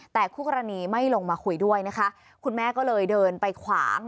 แล้วก็ตอนหลังเนี่ยที่หลายคนสังเกตทำไมอยู่ล้มไปแบบนั้นอาจจะไปเชื่อมโยงกับ